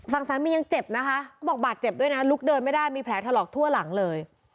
ฝั่งสามียังเจ็บนะคะก็บอกบาดเจ็บด้วยนะลุกเดินไม่ได้มีแผลถลอกทั่วหลังเลย